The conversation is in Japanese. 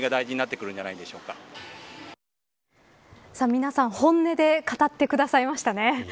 皆さん、本音で語ってくださいましたね。